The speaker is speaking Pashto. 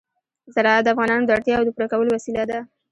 زراعت د افغانانو د اړتیاوو د پوره کولو وسیله ده.